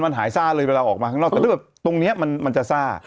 มันหายซ่าเลยเวลาออกมาข้างนอกแต่เรื่องแบบตรงนี้มันจะซ่า